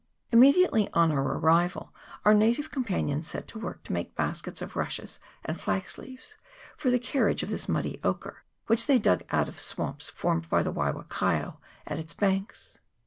Immediately on our arrival our native companions set to work to make baskets of rushes and flax leaves, for the car riage of this muddy ochre, which they dug out from swamps formed by the Waiwakaio at its banks.